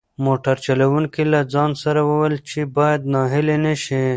موټر چلونکي له ځان سره وویل چې باید ناهیلی نشي.